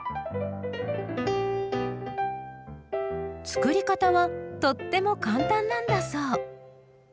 作り方はとっても簡単なんだそう。